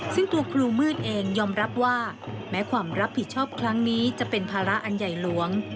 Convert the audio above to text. ซึ่งตัวครูมืดเองยอมรับว่าแม้ความรับผิดชอบครั้งนี้จะเป็นภาระอันใหญ่หลวง